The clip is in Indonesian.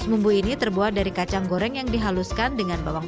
sebelum bagus bebas masih dapat beban tidak hanya untuk tang fancy